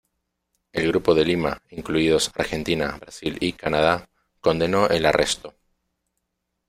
El Grupo de Lima, incluidos Argentina, Brasil y Canadá, condenó el arresto.